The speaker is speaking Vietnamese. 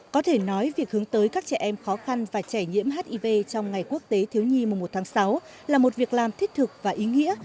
có thể nói việc hướng tới các trẻ em khó khăn và trẻ nhiễm hiv trong ngày quốc tế thiếu nhi mùa một tháng sáu là một việc làm thiết thực và ý nghĩa